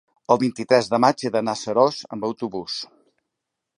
el vint-i-tres de maig he d'anar a Seròs amb autobús.